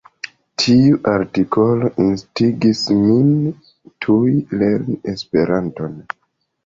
Tiu artikolo instigis min tuj lerni Esperanton.